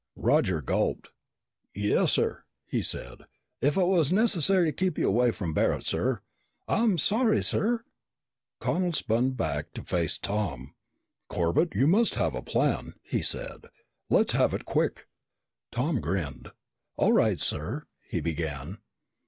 Roger gulped. "Yes, sir," he said. "If it was necessary to keep you away from Barret, sir. I'm sorry, sir." Connel spun back to face Tom. "Corbett, you must have a plan," he said. "Let's have it quick." Tom grinned. "All right, sir," he began.